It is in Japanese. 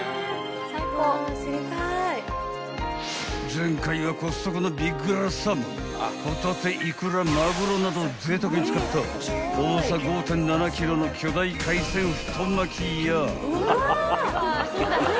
［前回はコストコのビッグらサーモンホタテイクラマグロなどをぜいたくに使った重さ５．７ｋｇの巨大海鮮太巻きや］